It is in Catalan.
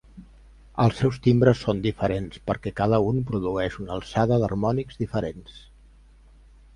Els seus timbres són diferents perquè cada un produeix una alçada d'harmònics diferents.